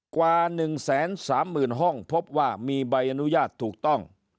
กว่า๑๓๐๐๐ห้องพบว่ามีใบอนุญาตถูกต้อง